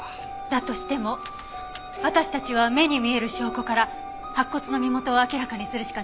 だとしても私たちは目に見える証拠から白骨の身元を明らかにするしかないわ。